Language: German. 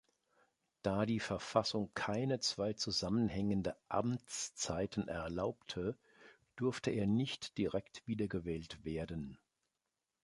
Da die Verfassung keine zwei zusammenhängende Amtszeiten erlaubte, durfte er nicht direkt wiedergewählt werden.